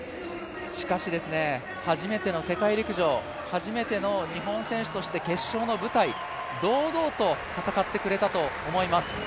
しかし、初めての世界陸上、初めての日本選手として決勝の舞台、堂々と戦ってくれたと思います。